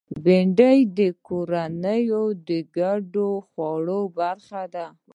بېنډۍ د کورنیو ګډو خوړو برخه ده